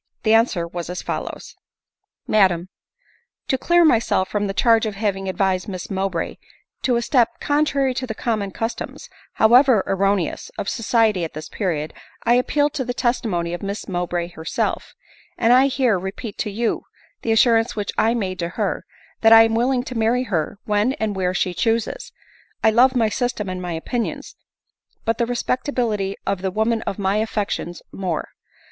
The answer was as follows ;" MADAM, " To clear myself from the charge of having advised Miss Mowbray to a step contrary to the common customs, however erroneous, of society at this period, I appeal to the testimony of Miss Mowbray herself; and I here re peat to you the assurance which I made to her, that I am willing to many her when and where she chooses. I love my system and my opinions, but the respectability of the woman of my affections more.